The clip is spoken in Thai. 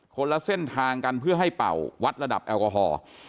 ละเส้นทางกันเพื่อให้เป่าวัดระดับแอลกอฮอล์